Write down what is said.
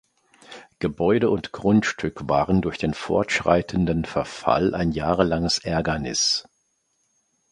Gebäude und Grundstück waren durch den fortschreitenden Verfall ein jahrelanges Ärgernis.